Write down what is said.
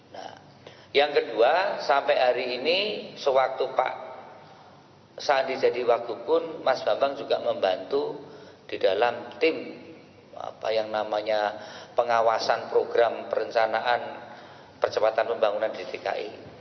nah yang kedua sampai hari ini sewaktu pak sandi jadi wagub pun mas bambang juga membantu di dalam tim apa yang namanya pengawasan program perencanaan percepatan pembangunan di dki